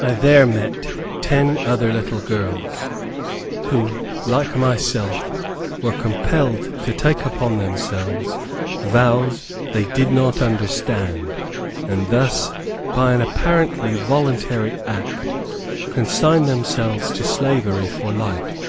I there met ten other little girls, who, like myself, were compelled to take upon themselves vows they did not understand, and thus, by an apparently voluntary act, consign themselves to slavery for life.